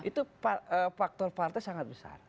itu faktor partai sangat besar